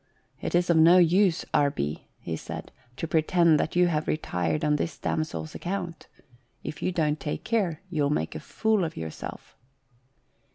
"It is of no use, E. B.," he said, " to pretend that you have retired on this damsel's account. If you don't take care, you'll make a fool of yourself."